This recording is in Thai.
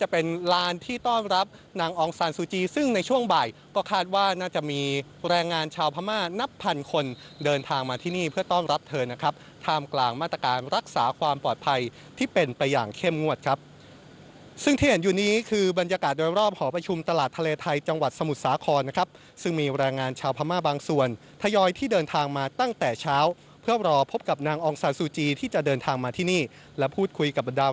เพื่อต้องรับเธอนะครับทามกลางมาตรการรักษาความปลอดภัยที่เป็นไปอย่างเข้มงวดครับซึ่งที่เห็นอยู่นี้คือบรรยากาศโดยรอบหอประชุมตลาดทะเลไทยจังหวัดสมุทรสาครนะครับซึ่งมีแรงงานชาวพม่าบางส่วนทยอยที่เดินทางมาตั้งแต่เช้าเพื่อรอพบกับนางอองซานซูจีที่จะเดินทางมาที่นี่และพูดคุยกับบรรดาแ